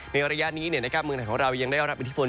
ในระยะนี้เมืองไทยของเรายังได้รับอิทธิพล